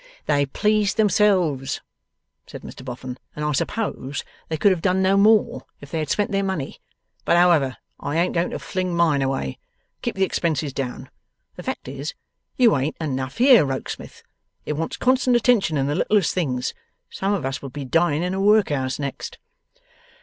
'They pleased themselves,' said Mr Boffin, 'and I suppose they could have done no more if they had spent their money. But however, I ain't going to fling mine away. Keep the expenses down. The fact is, you ain't enough here, Rokesmith. It wants constant attention in the littlest things. Some of us will be dying in a workhouse next.